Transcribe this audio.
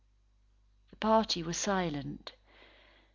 The party were silent.